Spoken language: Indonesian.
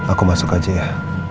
aku masuk aja ya